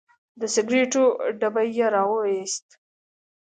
د سګریټو ډبی یې راوویست.